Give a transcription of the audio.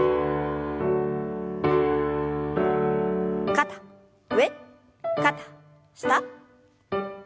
肩上肩下。